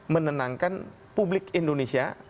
menenangkan publik indonesia